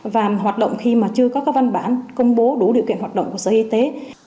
và hoạt động khi mà chưa có các văn bản công bố đủ điều kiện hoạt động của sở y tế